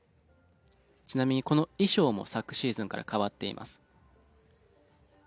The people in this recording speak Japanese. ちなみにこの衣装も昨シーズンから変わっています。